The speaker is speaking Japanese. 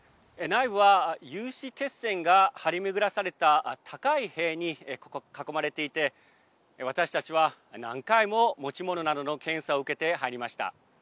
内部は有刺鉄線が張り巡らされた高い塀に囲まれていて私たちは何回も持ち物などの検査を受けて入りました。